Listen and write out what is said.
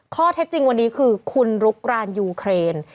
ข้อเท็จจริงวันนี้คือคุณลุกรานยูเครน